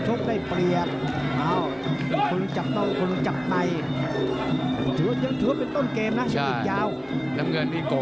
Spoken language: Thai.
สำเร็จนอกตีนซ้ายได้นี่